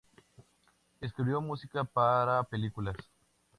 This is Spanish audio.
Escribió música para películas.